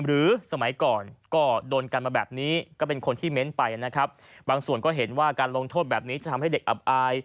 หรือสมัยก่อนก็โดนกันมาแบบนี้ก็เป็นคนที่เม้นถ์ไปนะครับ